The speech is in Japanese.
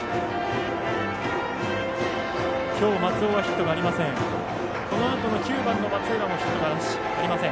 きょう、松尾はヒットはありません。